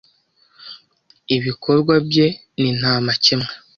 ibikorwa bye ni ntamakemwa